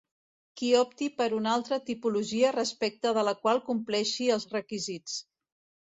Que opti per una altra tipologia respecte de la qual compleixi els requisits.